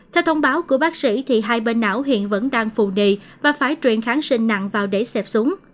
theo thông báo của bác sĩ thì hai bên não hiện vẫn đang phù nề và phải truyền kháng sinh nặng vào để xẹp súng